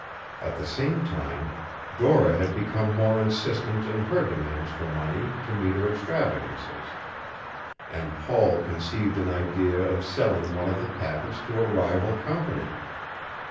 At the same time Dora had become more insistent in her demands for money to meet her extravagances, and Paul conceived an idea of selling one of the patents to a rival company.